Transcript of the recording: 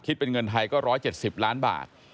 คิดเป็นเงินไทยก็๑๗๐ล้านบาท